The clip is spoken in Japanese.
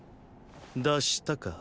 脱したか。